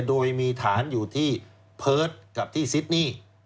โดยมีฐานอยู่ที่เพิร์ตกับที่ซิดนี่